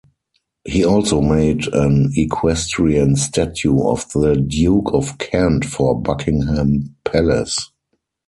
He also made an equestrian statue of the Duke of Kent for Buckingham Palace.